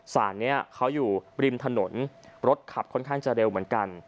สารนี้เขาอยู่ริมถนนรถขับค่อนข้างจะเร็วเหมือนกัน